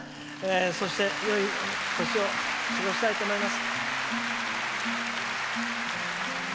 そして、よい年を過ごしたいと思います。